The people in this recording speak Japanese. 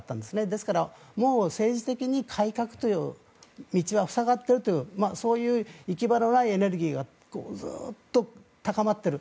ですから、もう政治的に改革という道は塞がっているというそういう行き場のないエネルギーがずっと高まっている。